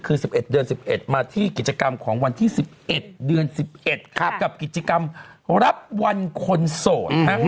คือ๑๑เดือน๑๑มาที่กิจกรรมของวันที่๑๑เดือน๑๑กับกิจกรรมรับวันคนโสด